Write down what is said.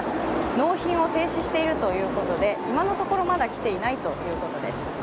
納品を停止しているということで、今のところまだ来ていないということです。